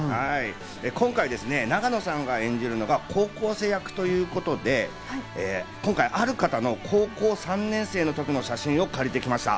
今回、永野さんが演じるのが高校生役ということで今回、ある方の高校３年生の時の写真を借りてきました。